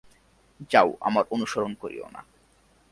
যাও আমার অনুসরণ করিও না।